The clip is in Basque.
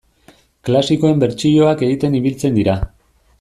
Klasikoen bertsioak egiten ibiltzen dira.